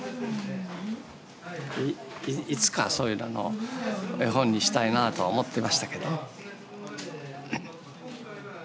いつかそういうのの絵本にしたいなと思ってましたけど。